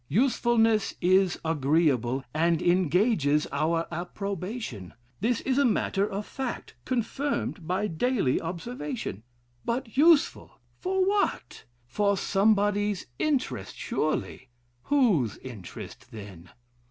Usefulness is agreeable, and engages our approbation. This is a matter of fact, confirmed by daily observation. But useful! For what? For somebody's interest, surely! Whose interest then?